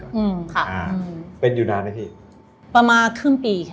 ก่อนอ่อค่ะค่ะอ้าเป็นอยู่นานกันไมที่ประมาณครึ่งปี